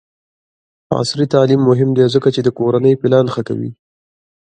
عصري تعلیم مهم دی ځکه چې د کورنۍ پلان ښه کوي.